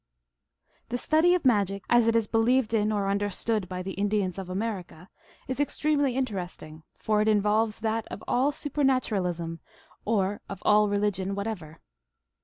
THE study of magic as it is believed in or under stood by the Indians of America is extremely interest ing, for it involves that of all supernaturalism or of all religion whatever.